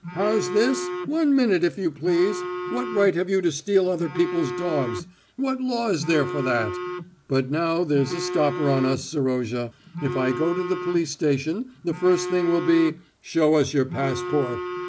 How's this? One minute, if you please! What right have you to steal other people's dogs? What law is there for that? But now there's a stopper on us, Serozha. If I go to the police station the first thing will be, 'Show us your passport!